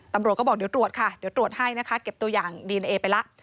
ตำรวจก็บอกเดี๋ยวตรวจค่ะเดี๋ยวตรวจให้นะคะเก็บตัวอย่างดีเอนเอไปแล้ว